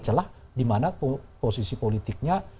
celah di mana posisi politiknya